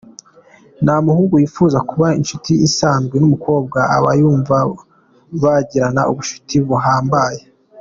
Nta muhungu wifuza kuba inshuti isanzwe n’umukobwa abayumva bagirana ubucuti buhambaye.